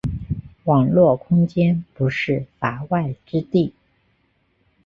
网络空间不是“法外之地”。